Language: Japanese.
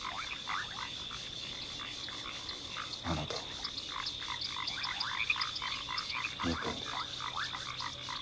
あなたを憎んでる。